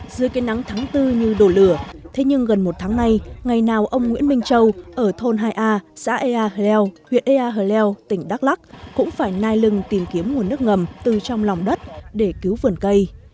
dưới cây nắng tháng bốn như đổ lửa thế nhưng gần một tháng nay ngày nào ông nguyễn minh châu ở thôn hai a xã ea heo huyện ea hờ leo tỉnh đắk lắc cũng phải nai lưng tìm kiếm nguồn nước ngầm từ trong lòng đất để cứu vườn cây